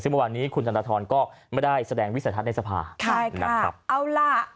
ซึ่งเมื่อวานนี้คุณธนทรก็ไม่ได้แสดงวิสัยทัศน์ในสภาใช่ค่ะนะครับเอาล่ะ